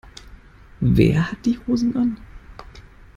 Wer hat die Hosen an?